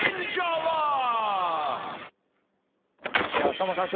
さんまさん